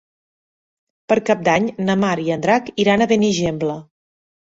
Per Cap d'Any na Mar i en Drac iran a Benigembla.